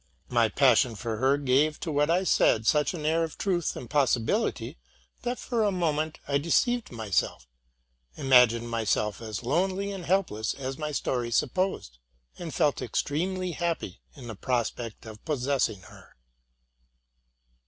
My passion for her gave to what I said such an air of truth and probability, that, for a moment, I deceived myself, imagined myself as lonely and helpless as my story supposed, and felt extremely happy in the prospect of possessing her.